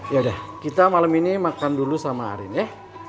yaudah kita malam ini makan dulu sama arief ya